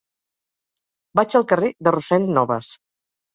Vaig al carrer de Rossend Nobas.